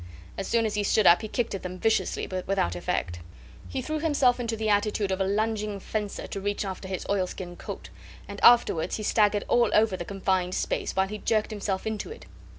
As soon as he stood up he kicked at them viciously, but without effect. He threw himself into the attitude of a lunging fencer, to reach after his oilskin coat; and afterwards he staggered all over the confined space while he jerked himself into it.